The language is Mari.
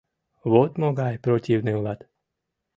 Вот могай противный улат...